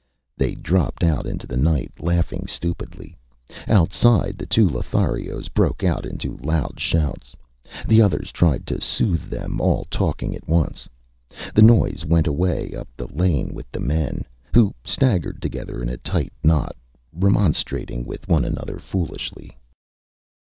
They dropped out into the night, laughing stupidly. Outside, the two Lotharios broke out into loud shouts. The others tried to soothe them, all talking at once. The noise went away up the lane with the men, who staggered together in a tight knot, remonstrating with one another foolishly.